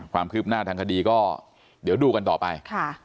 ความคืบหน้าทางคดีก็เดี๋ยวดูกันต่อไป